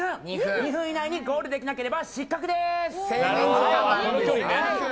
２分以内にゴールできなければ失格でーす！